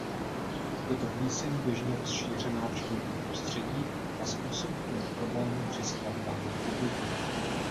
Je to plíseň běžně rozšířená v životním prostředí a způsobuje problémy při skladování obilí.